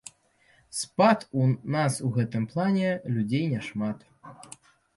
Спад у нас у гэтым плане, людзей няшмат.